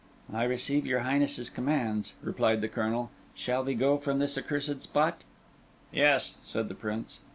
"I receive your Highness's commands," replied the Colonel. "Shall we go from this accursed spot?" "Yes," said the Prince.